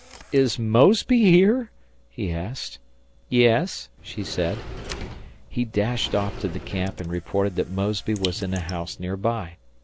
"Is Mosby here?" he asked. "Yes," she said. He dashed off to the camp and reported that Mosby was in a house near by.